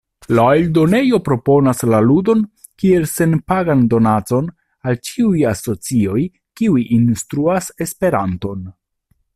La eldonejo proponas la ludon kiel senpagan donacon al ĉiuj asocioj kiuj instruas Esperanton.